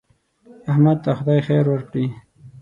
احمد ته خدای خیر ورکړي.